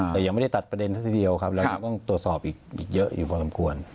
แต่ยังไม่ได้ตัดประเด็นซะทีเดียวครับเรายังต้องตรวจสอบอีกเยอะอยู่พอสมควร